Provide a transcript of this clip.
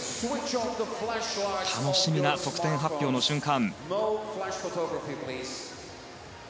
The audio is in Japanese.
楽しみな得点発表の瞬間。